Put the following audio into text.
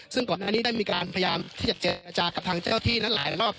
ซึ่งก่อนหน้านี้ได้มีการพยายามที่จะเจรจากับทางเจ้าที่นั้นหลายรอบ